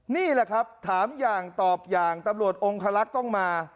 นี่แหละครับถามอย่างตอบอย่างตำรวจองคลักษณ์ต้องมา